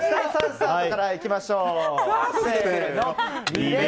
スタートからいきましょう。